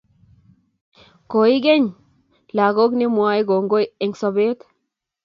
Koikeny Ieku ne mwae kongoi eng sopet